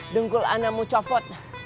dengkul anda mucofot